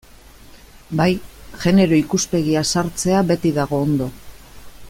Bai, genero ikuspegia sartzea beti dago ondo.